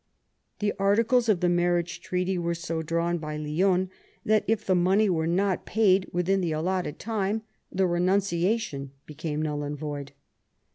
The articles of the marriage treaty were so drawn by Lionne that, if the money were not paid within the allotted time, the renunciation became null and void.